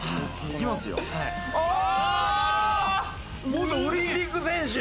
元オリンピック選手！